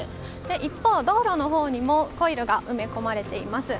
一方、道路のほうにもコイルが埋め込まれています。